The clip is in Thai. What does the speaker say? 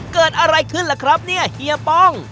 เกิดอะไรขึ้นล่ะครับเนี่ยเฮียป้อง